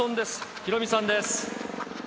ヒロミさんです。